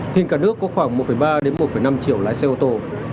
hình cả nước có khoảng một ba đến một năm triệu lái xe ô tô